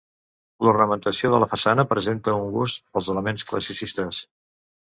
L'ornamentació de la façana presenta un gust pels elements classicistes.